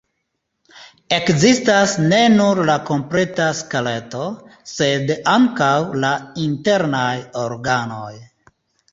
Ekzistas ne nur la kompleta skeleto, sed ankaŭ la internaj organoj.